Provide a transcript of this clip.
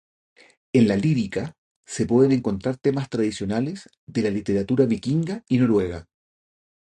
En la lírica se pueden encontrar temas tradicionales de la literatura vikinga y noruega.